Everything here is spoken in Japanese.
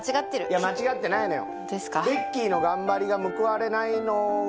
いや間違ってないのよ。